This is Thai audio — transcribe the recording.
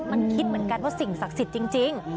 มันคิดเหมือนกันว่าสิ่งศักดิ์สิทธิ์จริง